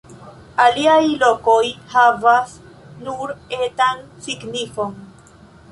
Aliaj lokoj havas nur etan signifon.